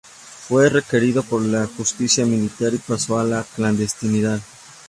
Fue requerido por la justicia militar y pasó a la clandestinidad.